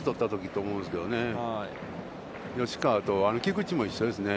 吉川と、菊池も一緒ですね。